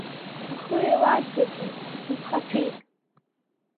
Лхы еилазгаӡеит, дысҟаҭәеит.